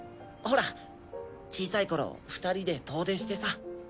ほら小さい頃２人で遠出してさ。